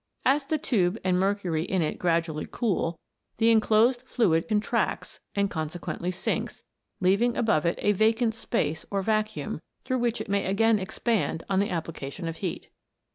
As the tube and mercury in it gradually cool, the enclosed fluid contracts and consequently sinks, leaving above it a vacant space or vacuum, through which it may again ex pand on the application of heat.